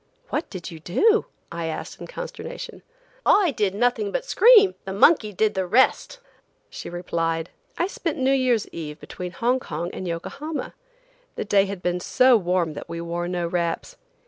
"What did you do?" I asked in consternation. "I did nothing but scream; the monkey did the rest!" she replied. I spent New Year's eve between Hong Kong and Yokohama. The day had been so warm that we wore no wraps.